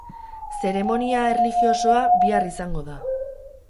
Zeremonia erlijiosoa bihar izango da.